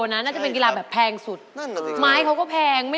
ไม่ใช่แพ้สุดเลยเหรอ